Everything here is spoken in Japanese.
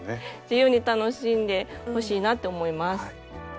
自由に楽しんでほしいなって思います。